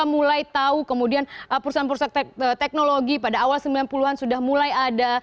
mulai tahu kemudian perusahaan perusahaan teknologi pada awal sembilan puluh an sudah mulai ada